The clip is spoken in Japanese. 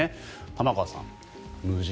玉川さん